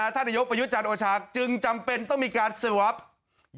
ท่านนายกประยุทธ์จันทร์โอชาจึงจำเป็นต้องมีการสวอป